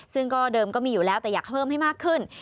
ซึ่งก็เดิมก็มีอยู่แล้วแต่อยากเพิ่มให้มากขึ้น